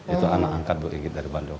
itu anak angkat bu inggit dari bandung